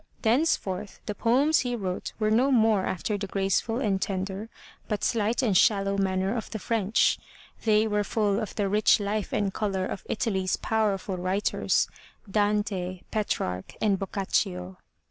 Thenceforth, the poems he wrote were no more after the graceful and tender but slight and shallow manner of the French. They were full of the rich life and color of Italy's powerful writers, Dante, Petrarch and Boccaccio.